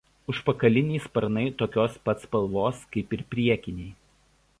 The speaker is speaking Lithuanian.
Užpakaliniai sparnai tokios pat spalvos kaip ir priekiniai.